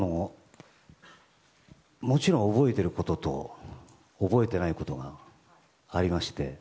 もちろん覚えていることと覚えていないことがありまして。